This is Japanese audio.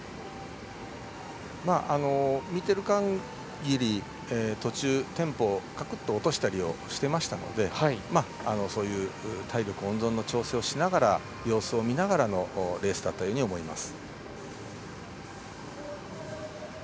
見ている限りでは途中テンポをカクッと落としたりしてましたので体力温存の調整をしながら様子を見ながらのレースだったように思います。